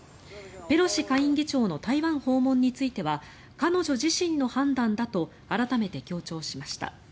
ペロシ下院議長の台湾訪問については彼女自身の判断だと改めて強調しました。